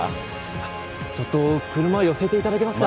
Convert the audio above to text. あっちょっと車寄せていただけますか？